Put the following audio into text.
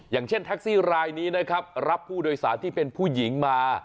อย่างเช่นแท็กซี่รายนี้นะครับรับผู้โดยสารที่เป็นผู้หญิงมา